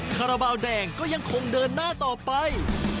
คาราบาลแดงก็ยังคงเดินหน้าต่อไป